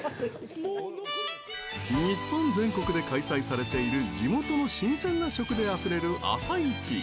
日本全国で開催されている地元の新鮮な食であふれる朝市。